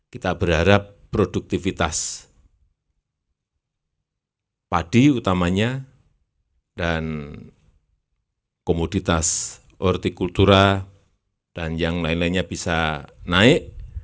kita berharap produktivitas padi utamanya dan komoditas hortikultura dan yang lain lainnya bisa naik